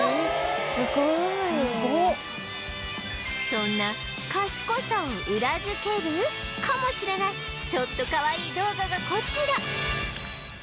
そんな賢さを裏付けるかもしれないちょっとかわいい動画がこちら